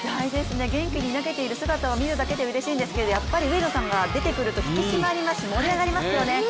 元気に投げている姿を見るだけでうれしいんですけど、やっぱり上野さんが出てくると引き締まりますし盛り上がりますよね。